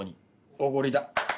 おごりだ。